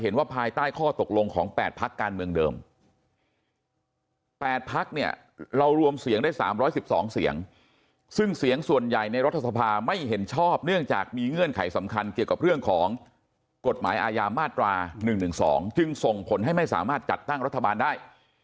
มาตรา๑๑๒จึงส่งผลให้ไม่สามารถจัดตั้งรัฐบาลได้